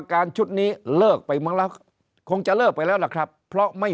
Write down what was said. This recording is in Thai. การชุดนี้เลิกไปมั้งแล้วคงจะเลิกไปแล้วล่ะครับเพราะไม่